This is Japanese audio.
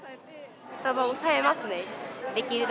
スタバ抑えますね。